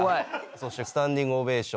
そしてスタンディングオベーション。